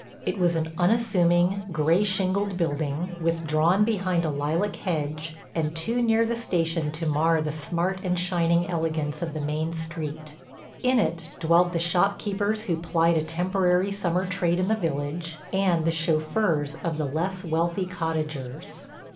It was an unassuming, gray shingled building, withdrawn behind a lilac hedge, and too near the station to mar the smart and shining elegance of the main street. In it dwelt the shop keepers who plied a temporary summer trade in the village, and the chauffeurs of the less wealthy cottagers.